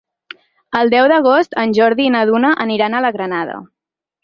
El deu d'agost en Jordi i na Duna aniran a la Granada.